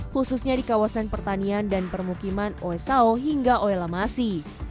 khususnya di kawasan pertanian dan permukiman oesao hingga oelamasi